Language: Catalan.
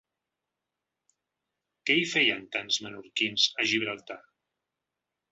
Què hi feien tants menorquins a Gibraltar?